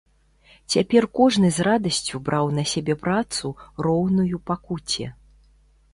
Цяпер кожны з радасцю браў на сябе працу, роўную пакуце.